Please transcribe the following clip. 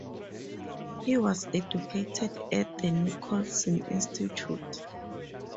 He was educated at the Nicolson Institute.